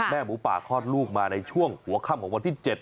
หมูป่าคลอดลูกมาในช่วงหัวค่ำของวันที่๗